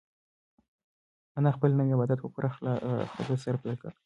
انا خپل نوی عبادت په پوره خلوص سره پیل کړ.